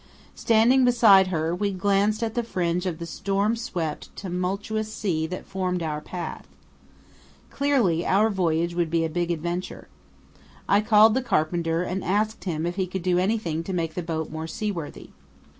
Standing beside her, we glanced at the fringe of the storm swept, tumultuous sea that formed our path. Clearly, our voyage would be a big adventure. I called the carpenter and asked him if he could do anything to make the boat more seaworthy.